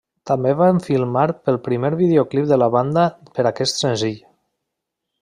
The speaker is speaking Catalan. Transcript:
També van filmar el primer videoclip de la banda per aquest senzill.